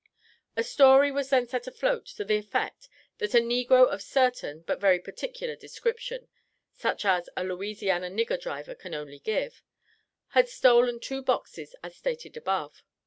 A story was then set afloat to the effect, that a negro of certain, but very particular description (such as a Louisiana nigger driver only can give), had stolen two boxes as stated above.